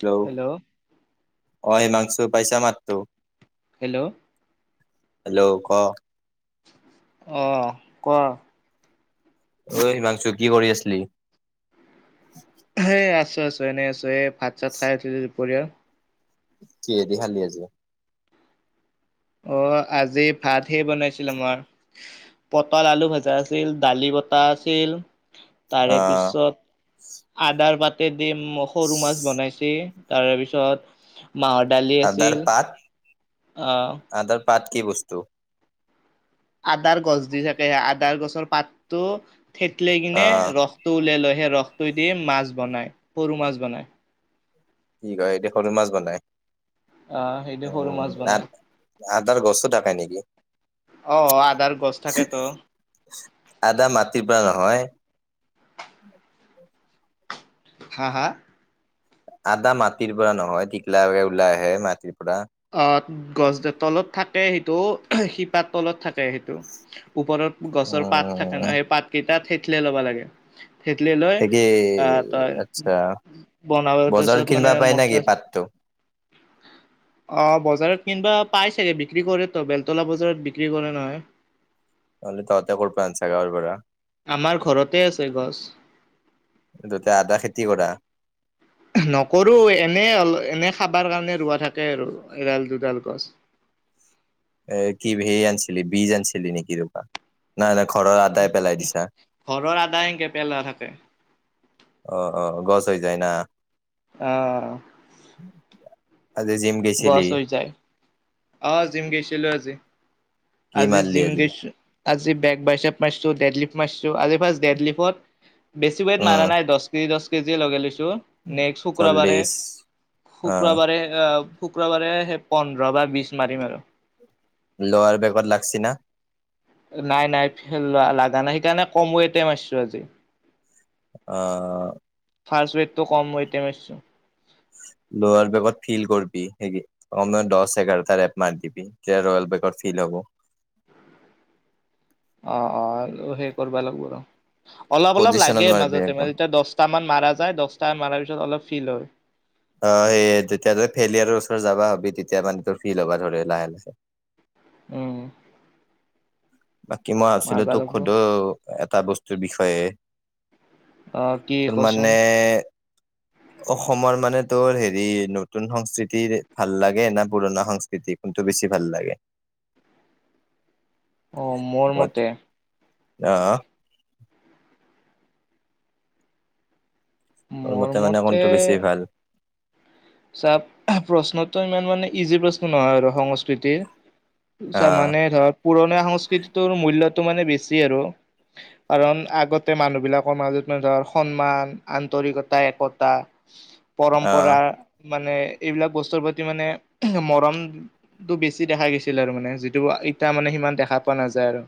Hello অ হিমাছো পাইচা মাতটো? হেল্ল'। হেল্ল' ক। আহ কোৱা। অঐ হিমাংচু কি কৰি আছিলি? এ আছো আছো এনে আছো এ ভাত চাত খাই উঠিছোঁ দুপৰীয়া। কি হে দি খালী আজি? আহ আজি ভাতহে বনাইছিল আমাৰ পটল আলু ভাজা আছিল দালি বটাাহ আছিল। অ তাৰে পিছত আদাৰ পাতে দি সৰু মাছ বনাইছে তাৰে পিছত মাহৰ দালি আদাৰ আছিল পাত আহ। আদাৰ পাত কি বস্তু? আদাৰ গছ দি থাকে সে আদাৰ গছৰ পাতটো থেত লাই অ কিনে ৰসটো উলাই লয় সেই ৰসটো দি মাছ বনাই সৰু মাছ বনায়। কি কয় দেখলো মাছ বনাই আহ সেইটো [unintelligible] সৰু উম মাছ আ বনাই আদাৰ গছো থাকে নেকি? অ আদাৰ গছ থাকেতো আদা মাটিৰ পৰা নহয়। উ [unintelligible] হা হা। আদা মাটিৰ পৰা নহয় টিকলাকে ওলাই আহে মাটিৰ পৰাহ আহ গছ তলত থাকে সেইটো শিপাৰ তলত থাকে সেইটো। ওপৰত গছৰ পাত থাকে উম ন সেই পাত কেইটাত থেথিলাই ল'ব লাগে। থেতেলীয়াই লয় তাকে আহ তই আচ্ছা বনাব বজাৰত তাছত কিনিবা মানে পাই নেকি মচলা পাতটো? অ বজাৰত কিনবা পাই চাগে বিক্ৰী কৰেত বেলতলা বজাৰত বিক্ৰী কৰে নহয়। অলি ততে কৰপৰা আনছা গাঁওৰ পৰা আমাৰ ঘৰতে আছে গছ দদে আদা খেতি কৰা। নকৰো এনে অল এনে খাবাৰ কাৰণে ৰোৱা থাকে আৰু এডাল দুডাল গছ। এ কি ভি আনিছিলি বীজ আনিছিলি নেকি ৰপা না না ঘৰৰ আদা সংকে পেলাই থাকে। অ অ গছ হৈ যায় না। আহ। আজি জিম গৈছিলি গছ হৈ যায় অ জিম গৈছিলো আজি। কি আজি মাৰলি জিম গেছো আজি বেগ বাইচাপ মাইছো দেদলিপ মাৰছো আজি ফাৰ্ষ্ট ডে লিফত বেছ ওৱেট মাৰা উম নাই দহ কেজি দহ কেজিে লগে লৈছো নেক্স শুক্ৰবাৰে, চল্লিশ অ শুক্ৰবাৰে এ। শুক্ৰবাৰে সেই পোন্ধৰ বা বি মাৰিম আৰু। লোৱাৰাৰ বেকত লাগেছা না। নাই নাই লোৱা লগা নাই সেইকাৰণে কম ওৱেট মাৰিছো আজি। অ ফাৰ্ষ্ট ওৱেটটো কম মাৰচো। লোৱোৱাৰ বেগত ফিল কৰ [unintelligible] [inaudible] অ অ সেই কৰবা লাগব ৰ। অলপ অলপ পজিচনত লাগে মাৰিবি মাজতে একদম মাজে এতিয়া দছটা মান মাৰা যায় দহটা মাৰাৰ পিছ অলপ ফিল হয়। অ সেইয়ে তেতিয়া ত ফেলিয়াৰৰ ওচৰত যাবা হবি তেতিয়া মানে তোৰ ফিল হ'বা ধৰি লাহে লাহে। [inaudible] আহ। বাকী মই আছিলো তো লাগব খোধো এটা বস্তুৰ বিষয়ে। অ কি তোৰ কচোন মানে। অসমৰ মানে তোৰ হেৰি নতুন সংস্কৃতিৰ ভাল লাগে না পুৰণা সংস্কৃতি ক। বেছি ভাল লাগে। অ' মোৰ মতে। আহ। তোৰ মোৰ মতে মানে কনটো বেছি ভাল। চাপ প্ৰশ্নতটো ইমান মানে ইজি প্ৰশ্ন নহয় আৰু সংস্কৃতিৰ আহ মানে ধৰ পুৰণীয়া সংস্কৃতিটোৰ মূল্যটো মানে বেছি আৰু। কাৰণ আগতে মানুহবিলাকৰ মাজত মান ধৰ সন্মান আন্তৰিকতা একতা আহ পৰম্পৰা মানে এইবিলাক বস্তুৰ প্ৰতি মানে মৰমটো বেছি দেখা গৈছিল, আৰু মানে যিটো এতিয়া মানে সিমান দেখা পোৱা নাযায়। আৰু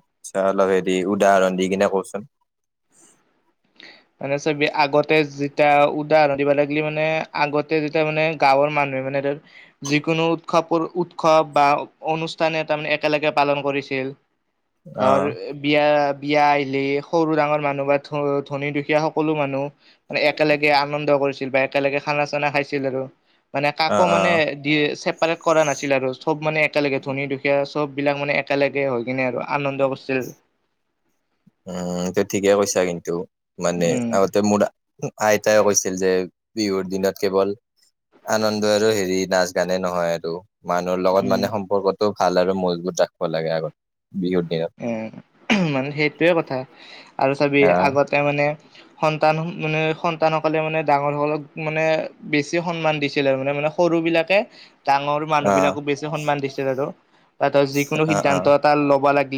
আচ্ছা অলপ হেৰি উদাহৰণ দি কিনে কওচোন। মানে চবি আগতে যেতিয়া উদাহৰণ দিব লাগিলে মানে আগতে যেতিয়া মানে গাঁৱৰ মানুহ মানে যিকোনো উৎসৱ উৎসৱ বা অনুষ্ঠানে তাৰমানে একেলগে পালন কৰিছিল। ধৰ আহ বিয়া বিয়া আহিলি সৰু ডাঙৰ মানুহ বা ধ ধনী দুখিয়া তেতিয়া সকলো মানুহ মানে একেলগে আনন্দ কৰিছিল বা একেলগে খানা চানা খাইছিল আৰু। মানে আহ কাকো মানে আহ দি চে চপাৰেট কৰা নাছিল আৰু চ'ব মানে একেলগে ধনী দুখীয়া চবিলাক মানে একেলগে হৈ কিনে, আৰু আনন্দ কৰিছিল। অ' ত ই ঠিকেই কৈছা, কিন্তু মানে উম আগতে মোৰ আইতাইে কৈছিল যে বিহুৰ দিনত কেৱল আনন্দ আৰু হেৰি নাচ গানে নহয় আৰু মানুহৰ লগত উম মানে সম্পৰ্কটো ভাল আৰু মজবুত ৰাখিব লাগে আগতে। উম, মানে সেইটোৱে কথা আৰু চাবি আহ আগতে মানে সন্তান মানে সন্তানসকলে মানে ডাঙৰ সকলক মানে বেছি সন্মান দিছিল আৰু মানে মানে সৰু বিলাকে। ডাঙৰ মানুহ আহ বিলাকো বেছি সন্মান দিছে আৰু তাত যিকোনো আহ সিদ্ধান্ত আহ এটা ল'ব লাগে।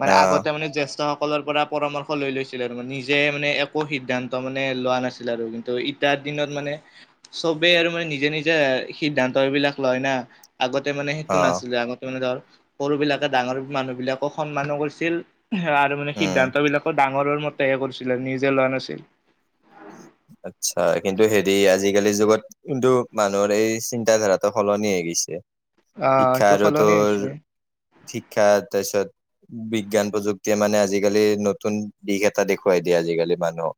মানে আহ আগতে মানে জ্যেষ্ঠ সকলৰ পৰা পৰামৰ্শ লৈ লৈছিলে আৰু মানে নিজে মানে একো সিদ্ধান্ত মানে লোৱা নাছিল আৰু কিন্তু এতিয়া দিনত মানে চবেই আৰু মানে নিজে নিজে সিদ্ধান্ত বিলাক লয় না আগতে মানে সেইটো আহ নাছিলে আগতে মানে ধৰ সৰু বিলাকে ডাঙৰ মানুহ বিলাক ক সন্মানো কৰিছিল। আৰু মানে উম সিদ্ধান্ত বিলাকো ডাঙৰৰ মতেহে কৰিছিলে, নিজে লোৱা নাছিল। আচ্ছা, কিন্তু হেৰি আজিকালি যুগত কিন্তু মানুহৰ এই চিন্তা ধাৰাটো সলনিয়েই। অ শিক্ষা এইটো আৰু সলনি তোৰ, হৈছে শিক্ষা তাৰপিছত বিজ্ঞান প্ৰযুক্তিয়ে মানে আজিকালি নতুন দিশ এটা দেখুৱাই দিয়ে, আজিকালি মানুহক।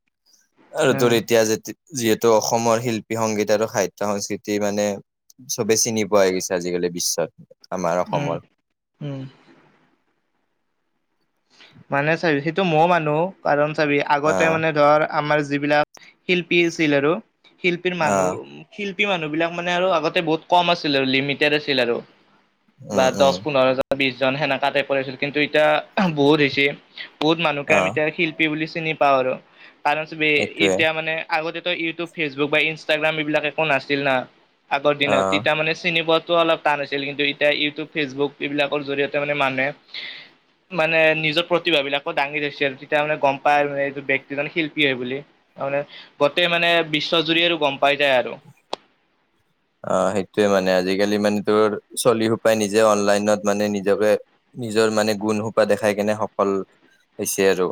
য'ত উম এতিয়া যিহেতু অসমৰ শিল্পী সংগীত আৰু সাহিত্য সংস্কৃতি মানে চবে চিনি পোৱা হৈ গৈছে আজিকালি বিশ্বত। আমাৰ উম অসমৰ। উম। মানে চাবি সেইটো মও মানুহ কাৰণ চাবি আগতে আহ মানে ধৰ আমাৰ যিবিলাক শিল্পী আছিল আৰুো শিল্পীৰ মানুহ আহ শিল্পী শিল্পী মানুহ বিলাক মানে আৰু আগতে বহুত কম আছিলে, লিমিটেড আছিল আৰু বা উম উম দচ পোন্ধৰ জন। বিছজন সেনেকা টাইপৰ আছিল। কিন্তু এতিয়া বহুত হৈছে বহুত মানুহকে আমি আহ এতিয়া শিল্পী বুলি চিনি পাওঁ আৰু কাৰণ চবে সেইটোৱে এতিয়া মানে আগতে। ইউটিউব ফেচবুক বা ইনষ্টাগ্ৰাম এইবিলাক একো নাছিল না আগৰ দিনত আহ। তেতিয়া মানে চিনি পোৱা তো অলপ টান হৈছিল, কিন্তু এতিয়া ইউটিউব ফেচবুক এইবিলাকৰ জৰিয়তে মানে মানুহে মানে নিজৰ প্ৰতিভাব বিলাকো দাঙি ধৰিছিল, আৰু তেতিয়া মানে গ'ম পাই, মানে এইটো ব্যক্তিজন শিল্পী হয় বুলি। মানে গোটেই মানে বিশ্বজুৰি আৰু গ'ম পাই যায় আৰু [unintelligible] অ সেইটোয়ে মানে আজিকালি মানে তোৰ চলি সোপাই নিজে অনলাইনত মানে নিজকে, নিজৰ মানে গুণ সোপা দেখাই কেনে সফল হৈছে আৰু,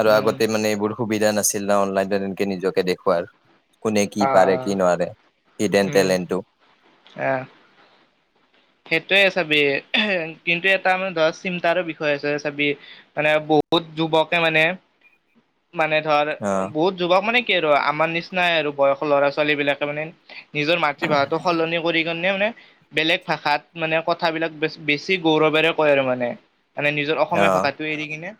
আৰু উম। আগতে মানে এইবোৰ সুবিধা নাছিল না অনলাইন তেনেকে নিজকে দেখুৱা কোনে কি পাৰে কি নোৱাৰে ইড উম আহ সেইটোৱে চাবি হে হে কিন্তু এটা মানে ধৰা চিন্তাৰ বিষয় আছে চাবি মানে বহুত যুৱকে মানে [unintelligible] মানে ধৰ অ বহুত যুৱক মানে কি আৰু আমাৰ নিচিনাই আৰু বয়সৰ ল'ৰা ছোৱালী বিলাকে মানে নিজৰ মাতৃভাষাটো সলনি কৰি কিনে মানে বেলেগ ভাষাত মানে কথাবিলাকে বেছি গৌৰৱেৰে কয় আৰু মানে মানে নিজৰ অ অসমীয়া ভাষাটো এৰি কিনে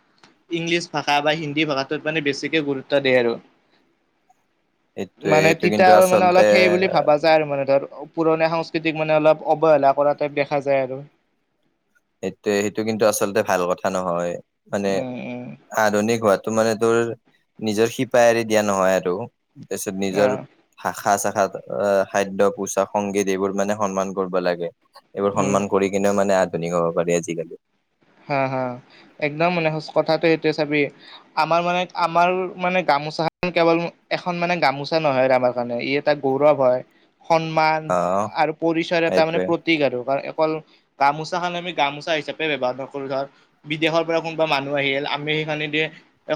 ইংলিছ ভাষা বা হিন্দী ভাষাটোত মানে বেছিকে গুৰুত্ব দিয়ে আৰু সেইটোয়ে মানে সেইটো তিতা কিন্তু আৰু মানে আচলতে অলপ সেই বুলি ভাবা যায় আৰু মানে ধৰ পুৰণা সংস্কৃতিক মানে অলপ অৱহেলা কৰা টাইপ দেখা যায় আৰু। সেইটোয়ে সেইটো কিন্তু আচলতে ভাল কথা নহয় মানে উম উম আধুনিক হোৱাত। ত মানে তোৰ নিজৰ শিপায় এৰি দিয়া নহয় আৰু তাৰপিছত অ নিজৰ শাখা চ খাদ্য পোচাক সংগীত এইবোৰ মানে সন্মান কৰিব লাগে। এইবোৰ উম। সন্মান কৰি কিনে মানে আধুনিক হ'ব পাৰি আজিকালি হা -হা, একদম মানে কথাটো এইটোৱে চাবি, আমাৰ মানে- আমাৰ মানে গা মোচা কেৱল এখন মানে গামোচা নহয় আমাৰ কাৰণে। ই এটা গৌৰৱ হয়। সন্মান অ আৰু পৰিচয়ৰ এটা মানে সেইটোৱে প্ৰতীক আৰু কাৰণ অকল গামোচাখন আমি গামোচা হিচাপে ব্যৱহাৰ ক ধৰ বিদেশৰ পৰা কোনোবা মানুহ আহিল, আমি সেইখনেদিয়ে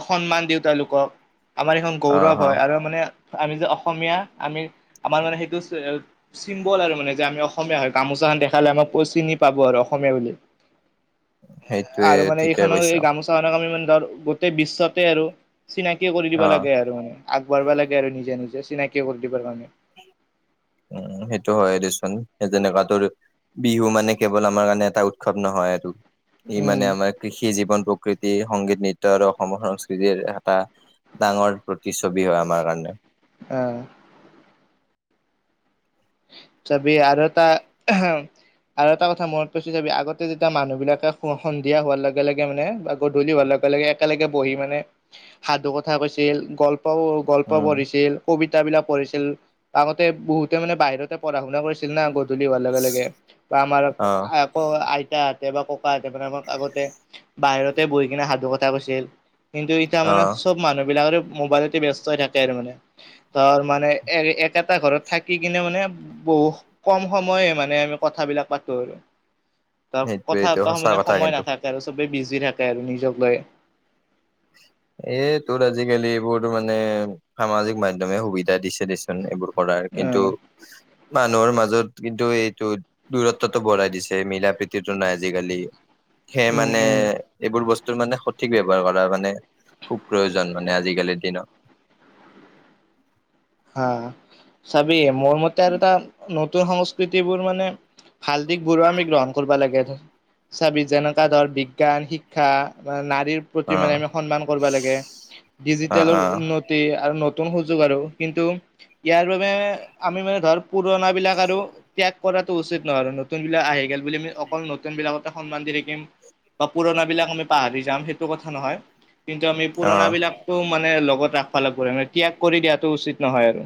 সন্মান দিওঁ তেওঁলোকক। আমাৰ এইখন অ গৌৰৱ অ হয় আৰু মানে আমি যে অসমীয়া আমি -আমাৰ মানে সেইটো চিম্বল আৰু মানে যে আমি অসমীয়া হয়। গামোচাখন দেখালে আমাক চিনি পাব আৰু অসমীয়া বুলি। সেইটোৱে আৰু মানে ঠিকে এইখনক কৈছ এই গামোচাখনক আমি মানে ধৰ গোটেই বিশ্বতে আৰু চিনাকি কৰি অ দিব লাগে আৰু মানে আগবাঢ়বা লাগে আৰু নিজে নিজে। চিনাকি কৰি দিবাৰ কাৰণে। উম। সেইটো হয় দেচোন। যেনেকুৱা তোৰ বিহু মানে কেৱল আমাৰ কাৰণে এটা উৎসৱ নহয় আৰু ই উম মানে আমাৰ কৃষি জীৱন প্ৰকৃতি, সংগীত, নৃত্য আৰু অসমৰ সংস্কৃতিৰ এটা ডাঙৰ প্ৰতিচ্ছবি হয় আমাৰ কাৰণে। আহ। চাবি আৰু এটা আৰু এটা কথা মনত পৰিছে চাবি, আগতে যেতিয়া মানুহ বিলাকে সন্ধিয়া হোৱাৰ লগে লগে মানে বা গধূলি হোৱাৰ লগ লগে একেলগে বহি মানে সাধু কথা কৈছিল, গল্প গল্প উম পঢ়িছিল কবিতাবিলাক পঢ়িছিল আগতে বহুতে মানে বাহিৰতে পঢ়া শুনা কৰি ছিল না গধূলি হোৱাৰ লগে লগে বা আমাৰ অ আক আই তাহঁতে বা ককাহঁতে মানে আমাক আগতে বাহিৰতে বহি কিনে সাধু কথা কৈছিল। কিন্তু এতিয়া অ মানে চব মানুহবিলাকৰে মোবাইল ব্যস্ত হৈ থাকে আৰু মানে ধৰ মানে একেটা ঘৰত থাকি কিনে মানে বহু কম সময়ে মানে আমি কথাবিলাক পাতো আৰু ধৰ সেইটোয়ে কথা এইটো এটা সঁচা মানে কথা সময় কিন্তু নাথাকে আৰু চবেই বিজি থাকে আৰু নিজক লৈ। এই তোৰ আজিকালি এইবোৰ মানে, সামাজিক মাধ্যমে সুবিধা দিছে দেচোন এইবোৰ কৰাৰ অ কিন্তু মানুহৰ মাজত কিন্তু এইটো দূৰ -দূৰত্বটো বঢ়াই দিছে মিলা প্ৰীতিটো নাই আজিকালি সে উম মানে, উম এইবোৰ বস্তুৰ মানে সঠিক ব্যৱহাৰ কৰা মানে খুব প্ৰয়োজন মানে আজিকালিৰ দিনত। হা, চাবি মোৰ মতে আৰু তাৰ ন সংস্কৃতিবোৰ মানে ভাল দিশবোৰো আমি গ্ৰহণ কৰিব লাগে। চাবি জনক আদৰ বিজ্ঞান, শিক্ষা না প্ৰতি অ মানে আমি সন্মান কৰিব লাগে, অ ডিজিটেলৰ অ উন্নতি আৰু নতুন সুযোগ আৰু। কিন্তু ইয়াৰ বাবে আমি মানে ধৰ পুৰণাবিলাক আৰু ত্যাগ কৰাটো উচিত নহয়, নতুন বিলাক আহে। বুলি আমি অকল নতুন বিলাকতে সন্মান দি থাকিম। বা পুৰণ বিলাক আমি পাহৰি যাম সেইটো কথা নহয় কিন্তু আমি অ পুৰণা বিলাকো মানে লগত ৰাখবা লগবো, ত্যাগ কৰি দিয়াটো উচিত নহয় আৰু।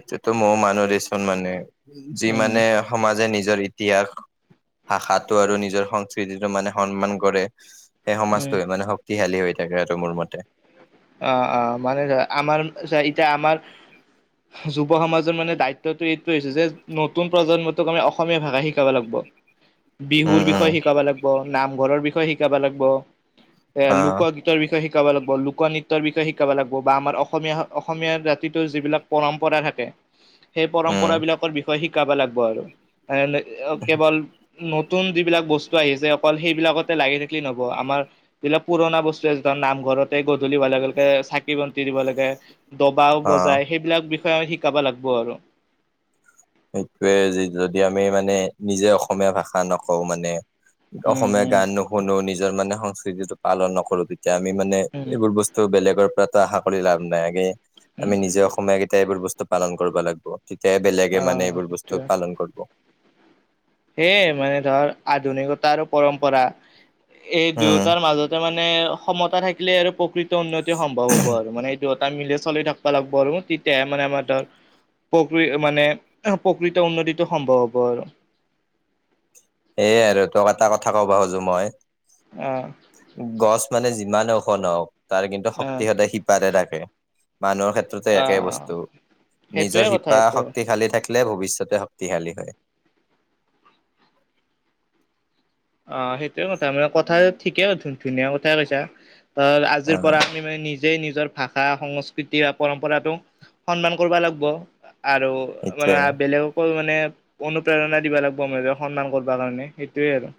এতিয়াটো মৌ মানুহ দেচোন মানে, যি উম মানে সমাজে নিজৰ ইতিহাস ভাষাটো আৰু নিজৰ সংস্কৃতিটো মানে সন্মান কৰে, সেই উম সমাজটোৱে মানে শক্তিশালী হৈ থাকে আৰু মোৰ মতে। অ অ মানে আমাৰ চ এতিয়া আমাৰ। যুৱ সমাজৰ মানে দায়িত্বটো এইটো হৈছে যে, নতুন প্ৰজন্মটোক আমি অসমীয়া ভাষা শিকাব লাগিব। [inaudible] বিহুৰ বিষয়ে উম শিকাব লাগিব, নামঘৰৰ বিষয়ে শিকাব লাগিব। এ আহ লোকগীতৰ বিষয়ে শিকাব লাগিব, লোকনৃ বিষয়ে শিকাব লাগিব, বা আমাৰ অসমীয়া অসমীয়া জাতিটোৰ যিবিলাক পৰম্পৰা থাকে সেই উম পৰম্পৰা বিলাকৰ বিষয়ে শিকাব লাগিব আৰু এ কেৱল নতুন যিবিলাক বস্তু আহিছে অকল সেইবিলাকতে লাগি থাকিলে নব, আমাৰ যিবিলাক পুৰণা বস্তু এজন, নামঘৰতে গধূলি হোৱা লগে-লগে চাকি-বন্তি দিব লাগে। দবাও আহ বজাই, সেইবিলাক বিষয়ে আমি শিকাব লাগিব আৰু। সেইটোৱেই, যদি আমি মানে নিজে অসমীয়া ভাষা নকওঁ মানে উম অসমীয়া উম গান নুশুনো, নিজৰ মানে সংস্কৃতিটো পালন নকৰো এতিয়া আমি মানে, উম এইবোৰ বস্তু বেলেগৰ পৰাতো আশা কৰি লাভ নাই, আগে উম আমি নিজে অসমীয়া কেইটাই এইবোৰ বস্তু পালন কৰিব লাগিব, তেতিয়াহে বেলেগ লেগে অ মানে এইবোৰ বস্তু পালন কৰিব। সেইয়ে মানে ধৰ, আধুনিকতাৰ আৰু পৰম্পৰা এই উম দুয়োটাৰ মাজতে মানে সমতা থাকিলে আৰু প্ৰকৃত উন্নতি সম্ভৱ হ'ব আৰু, মানে এই দু-এটা মিলি চলি থাকবা লাগিব আৰু, তেতিয়াহে মানে আমাৰ ধৰ প্ৰকৃ মানে, প্ৰকৃত উন্নতিটো সম্ভৱ হ'ব আৰু। সেইয়াই আৰু, তোক এটা কথা ক'ব খজো মই, আহ গছ মানে যিমান ওখ নহওঁক, তাৰ কিন্তু আহ শক্তি সদায় শিপাতে থাকে। মানুহৰ ক্ষেত্ৰতো একে আহ বস্তু, সেইটোয়ে নিজৰ কথা শিপা সেইটোয়ে শক্তিশালী থাক কিলে, ভৱিষ্যতে শক্তিশালী হয়। অ, সেইটোয়ে কথা মানে, কথা ঠিকেই, ধুনীয়া কথাই কৈছা। ত, অ আজিৰ পৰা আমি মানে নিজ জে নিজৰ ভাষা সংস্কৃতি বা পৰম্পৰাটোক সন্মান কৰিব লাগিব। আৰু মানে সেইটোৱে বেলেগকো মানে মানে অনুপ্ৰেৰণা দিবা লাগিব মান সন্মান কৰিব কাৰণে সেইটোয়ে আৰু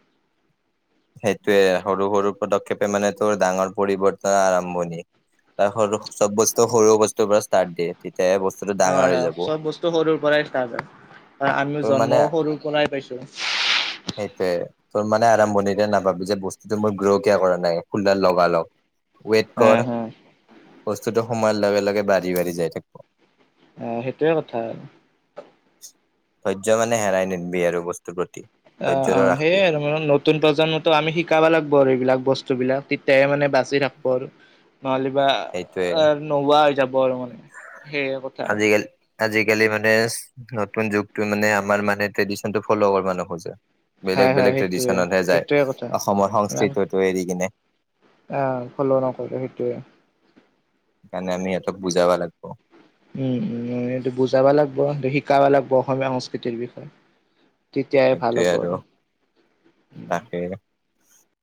সেইটোৱে সৰু সৰু পদক্ষেপে মানে তোৰ ডাঙৰ পৰিৱৰ্তনৰ আৰম্ভণি তাৰ চব বস্তু সৰুৱ বস্তুৰ পৰা ষ্টাৰ্ দিয়ে ঠ হয়, হয়, চব বস্তু সৰুৰ পৰাই ষ্টাৰ্ট হয়, আমিও তোৰ মানে জন্মও সৰুৰ পৰাই পাইছো। [inaudible] সেইটোৱে, তোৰ মানে আৰম্ভণিতে নাভাবি যে, বস্তুটো মই [unintelligible] কিয় কৰা নাই, খুলডাল লগা- লগ। ৱেইট হা কৰ, হা বস্তুটো সোমোৱাৰ লগে-লগে বাঢ়ি-বাঢ়ি যায় থাকিব। অ সেইটোয়ে কথা আৰু ধৈৰ্য্য মানে হেৰাই নিদবি আৰু বস্তুৰ প্ৰতি অ অ ধৈৰ্য্যটো ৰাখবি সেইয়াই আৰু মানে নতুন প্ৰজন্মতো আমি শিকাব লাগিব আৰু এইবিলাক বস্তু বিলাক তেতিয়াহে মানে বাচি থাকিব আৰু নহ'লে বা সেইটোৱে। নোওোৱা হৈ যাব আৰু মানে সেইে কথা আৰু আজিকালি আজিকালি মানে নতুন যুগটো মানে আমাৰ মানে ট্ৰেডিশন টো ফল' নোখোজে বেলেগ হয় হয় বেলেগ সেইটোয়ে ট্ৰেডিশনতহে যায় সেইটোয়ে কথা অসমৰ সংস্কৃতিটো এৰি কিনে আহ ফল নকৰে সেইটোৱে সেইকাৰণে আমি সিহঁতক বুজাব লাগিব উম উম সেটো বুজাব লাগিব সটো শিকাব লাগিব অসমীয়া সংস্কৃতিৰ বিষয়ে তেতিয়াহে ভাল হ'ব আৰু উ তাকে